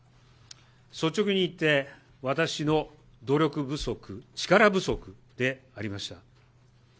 率直に言って、私の努力不足、力不足でありました。